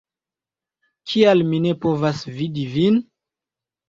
Kial mi ne povas vidi vin?